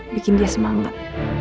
bikin dia semangat